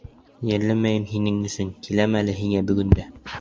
Йәлләмәйем һинең өсөн Киләм әле һиңә бөгөн дә.